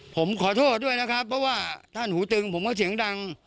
ผมขอโทษด้วยนะครับเพราะว่าท่านหูตึงผมก็เสียงดัง